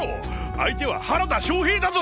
相手は原田正平だぞ！